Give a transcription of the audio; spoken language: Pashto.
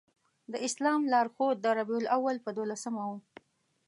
د اسلام لار ښود د ربیع الاول په دولسمه و.